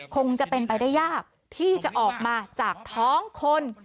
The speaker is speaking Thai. คงจะเป็นไปได้ยากที่จะออกมาจากท้องคน